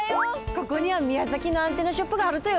ここには宮崎のアンテナショップがあるとよ。